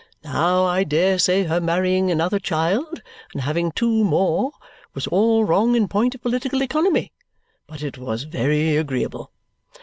Now I dare say her marrying another child, and having two more, was all wrong in point of political economy, but it was very agreeable.